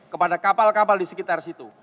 kepada kapal kapal disekitar situ